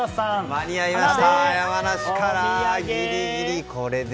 間に合いました山梨からギリギリ。